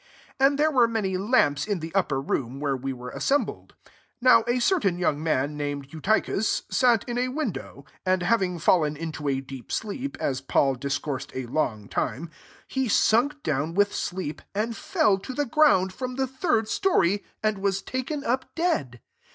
8 And there were py lamps in the upper room, re we were assembled. 9 a certain young man, ed Eutychus, sat in a win and having fallen into a I sleep, as Paul discoursed png time, he sunk down sleep, and fell to the |nd from the third story, and was taken up dead.